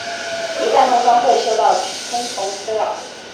一旦弄脏会受到昆虫滋扰。